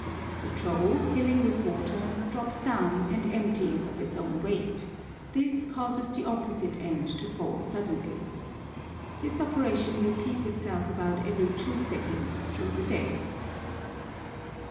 The trough, filling with water, drops down and empties of its own weight; this causes the opposite end to fall suddenly. This operation repeats itself about every two seconds through the day.